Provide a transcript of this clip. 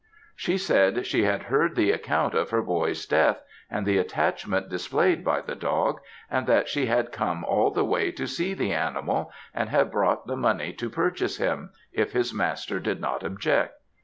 She said she had heard the account of her boy's death, and the attachment displayed by the dog, and that she had come all the way to see the animal, and had brought the money to purchase him; if his master did not object.